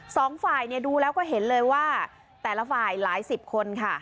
สองฝ่ายดูแล้วก็เห็นเลยว่าแต่ละฝ่ายหลายสิบคนค่ะ